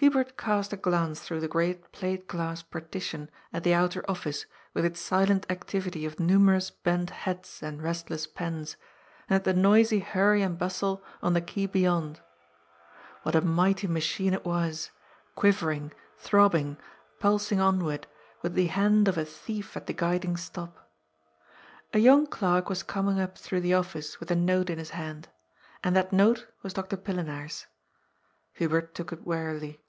Hubert cast a glance through the great plate glass partition at the outer oflRce with its silent activity of numerous bent heads and restless pens, and at the noisy hurry and bustle on the quay beyond. What a mighty machine it was, quivering, throbbing, pulsing onward, with the hand of a thief at the guiding stop. A young clerk was coming up through the Office with a note in his hand. And that note was Dr. Pillenaar's. Hubert took it wearily.